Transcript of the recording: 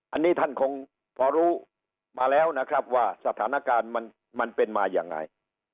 อันนี้ท่านคงพอรู้มาแล้วนะครับว่าสถานการณ์มันเป็นมายังไง